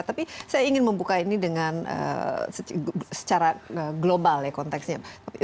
tapi saya ingin membuka ini dengan secara global ya konteksnya